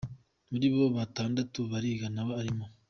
Muri bo batandatu bariga nawe arimo.